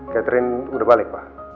catherine udah balik pak